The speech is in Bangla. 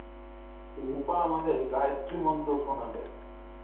রুপা আমাদের গায়েত্রি মন্ত্র শোনাবে।